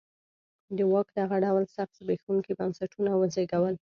د واک دغه ډول سخت زبېښونکي بنسټونه وزېږول.